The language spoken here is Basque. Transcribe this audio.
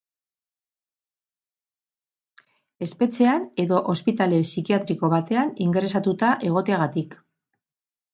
Espetxean edo ospitale psikiatriko batean ingresatuta egoteagatik.